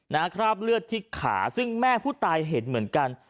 คราบเลือดที่ขาซึ่งแม่ผู้ตายเห็นเหมือนกัน